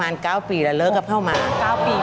นี่เล่าซิ